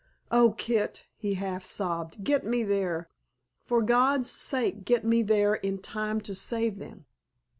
"Oh, Kit," he half sobbed, "get me there—for God's sake get me there in time to save them!"